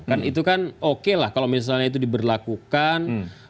kan itu kan oke lah kalau misalnya itu diberlakukan